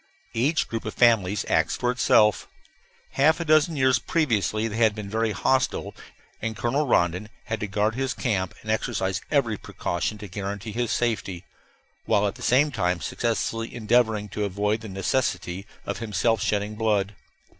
Each group of families acts for itself. Half a dozen years previously they had been very hostile, and Colonel Rondon had to guard his camp and exercise every precaution to guarantee his safety, while at the same time successfully endeavoring to avoid the necessity of himself shedding blood.